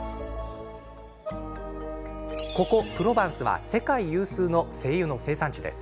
ここ、プロヴァンスは世界有数の精油の生産地。